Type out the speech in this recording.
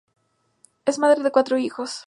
Es madre de cuatro hijos.